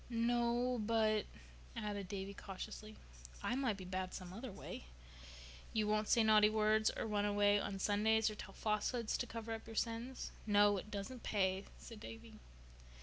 "No, but—" added Davy cautiously, "I might be bad some other way." "You won't say naughty words, or run away on Sundays, or tell falsehoods to cover up your sins?" "No. It doesn't pay," said Davy.